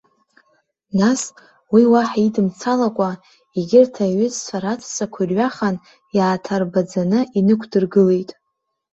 Нас, уи уаҳа идымцалакәа, егьырҭ аиҩызцәа раҵәцақәа ирҩахан, иааҭарбаӡаны инықәдыргылеит.